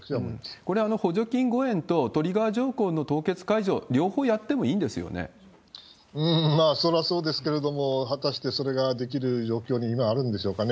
これは補助金５円とトリガー条項の凍結解除、両方やってもいうーん、まあそれはそうですけれども、果たしてそれが今、できる状況に今あるんですかね。